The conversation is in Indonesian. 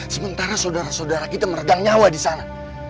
sementara saudara saudara kita meregang nyawa di sana